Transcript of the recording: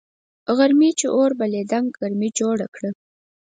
غرمې چي اور بلېدنگ ګرمي جوړه که